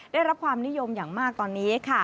ได้รับความนิยมอย่างมากตอนนี้ค่ะ